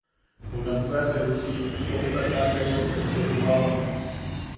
Junakbea te ju- chi kom sakasaiwakai tejwawak.